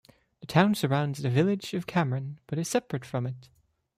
The town surrounds the village of Cameron but is separate from it.